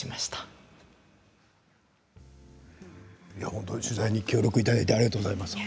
本当に取材に協力いただいてありがとうございます。